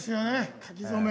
書き初め。